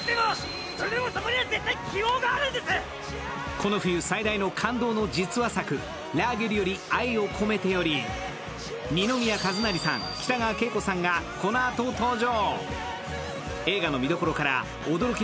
この冬最大の感動の実話作、「ラーゲリより愛を込めて」より二宮和也さん、北川景子さんがこのあと登場。